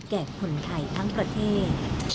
แก่คนไทยทั้งประเทศ